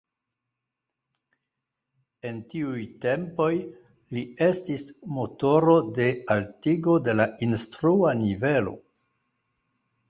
En tiuj tempoj li estis motoro de altigo de la instrua nivelo.